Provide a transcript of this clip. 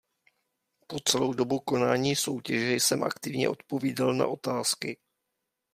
Po celou dobu konání soutěže jsem aktivně odpovídal na otázky.